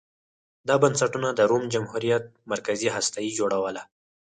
دا بنسټونه د روم جمهوریت مرکزي هسته یې جوړوله